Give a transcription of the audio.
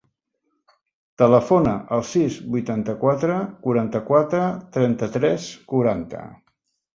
Telefona al sis, vuitanta-quatre, quaranta-quatre, trenta-tres, quaranta.